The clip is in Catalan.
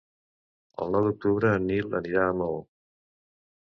El nou d'octubre en Nil anirà a Maó.